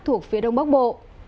thuộc phía đông bắc bộ